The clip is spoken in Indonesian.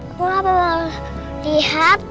kamu gak perlu liat